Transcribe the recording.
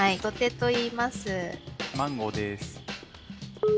マンゴーです。